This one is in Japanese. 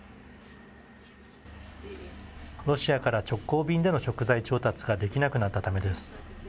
ロシアから直行便での食材調達ができなくなったためです。